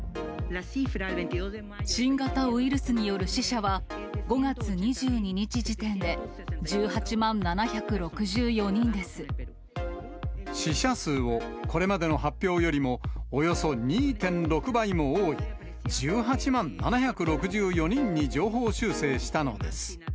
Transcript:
新型ウイルスによる死者は、５月２２日時点で、死者数を、これまでの発表よりもおよそ２．６倍も多い１８万７６４人に上方修正したのです。